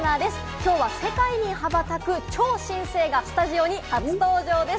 きょうは世界に羽ばたく超新星がスタジオに初登場です。